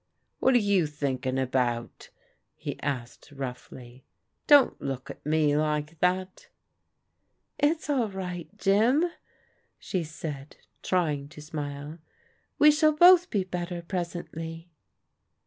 "What are you thinking about?" he asked roughly. " Don't look at me like that." " It's all right, Jim," she said, trying to smile. " We shall both be better presently."